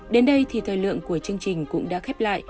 đến đây thì thời lượng của chương trình cũng đã khép lại